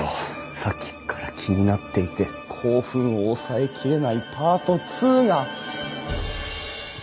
さっきっから気になっていて興奮を抑えきれないパート２が！